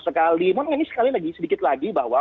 sekali namun ini sekali lagi sedikit lagi bahwa